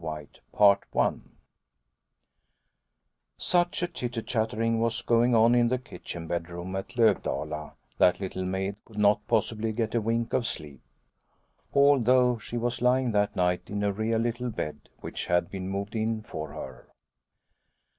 CHAPTER IV SNOW WHITE SUCH a chitter chattering was going on in the kitchen bedroom at Lovdala that Little Maid could not possibly get a wink of sleep, although she was lying that night in a real little bed which had been moved in for her.